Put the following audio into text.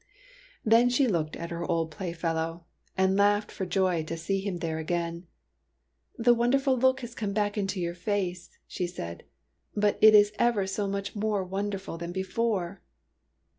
Then she looked at her old playfellow and 126 TEARS OF PRINCESS PRUNELLA laughed for joy to see him there again. '' The wonderful look has come back into your face/' she said, '' but it is ever so much more wonder ful than before